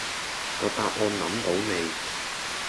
個答案諗到未